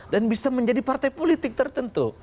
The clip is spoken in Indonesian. bisa menjadi partai politik tertentu